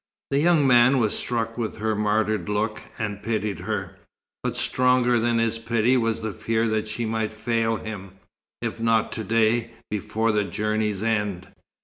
The young man was struck with her martyred look, and pitied her; but stronger than his pity was the fear that she might fail him if not to day, before the journey's end.